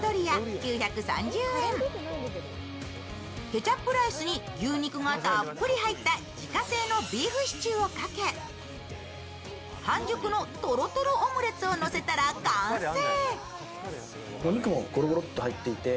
ケチャップライスに牛肉がたっぷり入った自家製のビーフシチューをかけ半熟のとろとろオムレツを乗せたら完成。